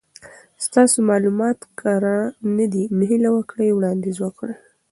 ستاسو مالومات کره ندي نو هیله وکړئ وړاندیز وکړئ